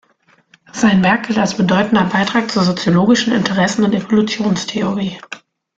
Sein Werk gilt als bedeutender Beitrag zur soziologischen Interessen- und Evolutionstheorie.